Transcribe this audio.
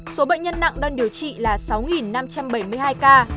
số bệnh nhân nặng đang điều trị là sáu năm trăm bảy mươi hai ca